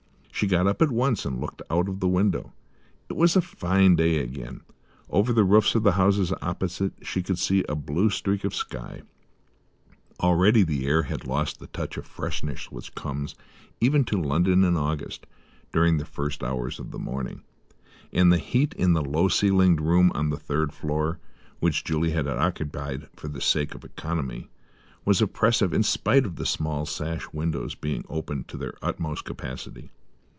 She got up at once and looked out of the window. It was a fine day again; over the roofs of the houses opposite she could see a blue streak of sky. Already the air had lost the touch of freshness which comes, even to London in August, during the first hours of the morning; and the heat in the low ceilinged room on the third floor which Juliet occupied for the sake of economy, was oppressive in spite of the small sash windows being opened to their utmost capacity.